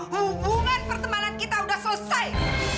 hubungan pertemanan kita sudah selesai